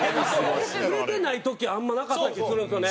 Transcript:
売れてない時あんまなかった気ぃするんですよね。